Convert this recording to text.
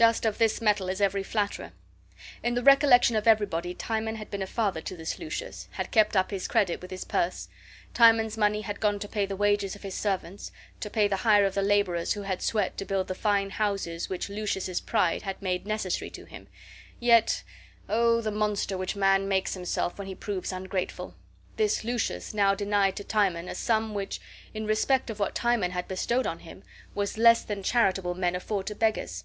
Just of this metal is every flatterer. In the recollection of everybody Timon had been a father to this Lucius, had kept up his credit with his purse; Timon's money had gone to pay the wages of his servants, to pay the hire of the laborers who had sweat to build the fine houses which Lucius's pride had made necessary to him. Yet oh, the monster which man makes himself when he proves ungrateful! this Lucius now denied to Timon a sum which, in respect of what Timon had bestowed on him, was less than charitable men afford to beggars.